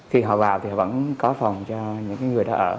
khi họ vào thì vẫn có phòng cho những người đó ở